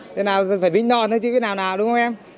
thế nào thì phải đính đòn thôi chứ cái nào nào đúng không em